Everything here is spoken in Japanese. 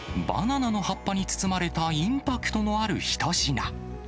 バナナの葉っぱに包まれたインパクトのある一品。